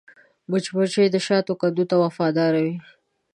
مچمچۍ د شاتو کندو ته وفاداره وي